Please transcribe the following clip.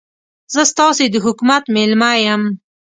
زه ستاسې د حکومت مېلمه یم.